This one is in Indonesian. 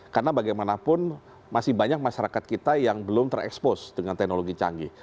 karena bagaimanapun masih banyak masyarakat kita yang belum terekspos dengan teknologi canggih